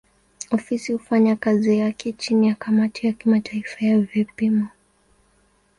Ofisi hufanya kazi yake chini ya kamati ya kimataifa ya vipimo.